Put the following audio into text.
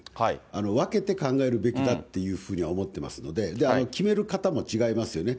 分けて考えるべきだというふうには思ってますので、決める方も違いますよね。